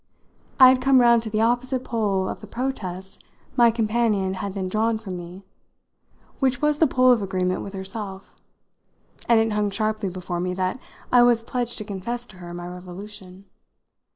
I had come round to the opposite pole of the protest my companion had then drawn from me which was the pole of agreement with herself; and it hung sharply before me that I was pledged to confess to her my revolution.